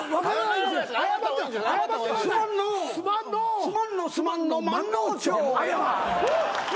すまんのすまんの・すまんのまんのう町！